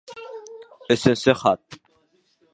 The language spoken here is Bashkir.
Өсөнсө хат.